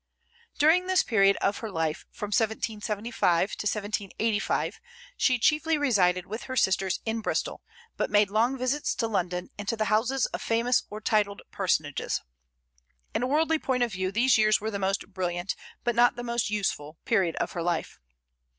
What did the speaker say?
During this period of her life from 1775 to 1785 she chiefly resided with her sisters in Bristol, but made long visits to London, and to the houses of famous or titled personages. In a worldly point of view these years were the most brilliant, but not most useful, period of her life.